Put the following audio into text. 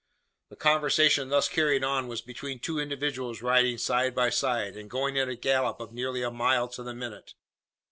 The conversation thus carried on was between two individuals riding side by side, and going at a gallop of nearly a mile to the minute!